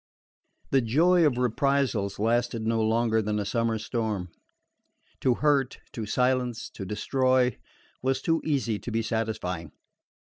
11. The joy of reprisals lasted no longer than a summer storm. To hurt, to silence, to destroy, was too easy to be satisfying.